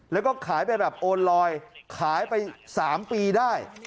แล้วก็ขายไปแบบโอนลอยขายไป๓ปีได้